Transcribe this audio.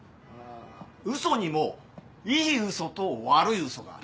嘘にもいい嘘と悪い嘘がある。